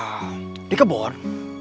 a'ah di kebon